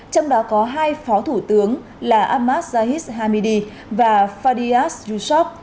trong đó có hai phó thủ tướng là ahmad zahid hamidi và fadias yusof